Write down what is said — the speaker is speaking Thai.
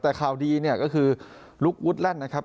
แต่คราวดีก็คือลุกวุฒิแร่นนะครับ